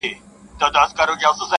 o هر څوک خپل درد لري تل,